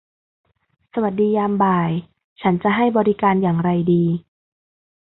สวัสดียามบ่ายฉันจะให้บริการอย่างไรดี ?